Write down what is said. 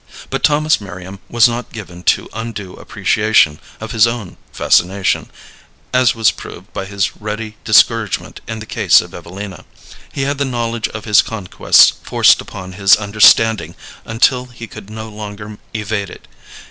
But Thomas Merriam was not given to undue appreciation of his own fascination, as was proved by his ready discouragement in the case of Evelina. He had the knowledge of his conquests forced upon his understanding until he could no longer evade it.